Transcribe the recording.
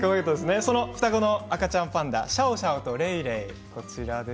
双子の赤ちゃんパンダシャオシャオとレイレイ。